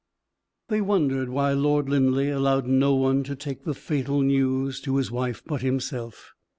They wondered why Lord Linleigh allowed no one to take the fatal news to his wife but himself.